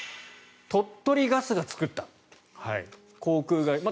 鳥取ガスが作った航空会社。